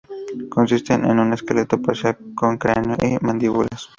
Consisten de un esqueleto parcial con cráneo y mandíbulas.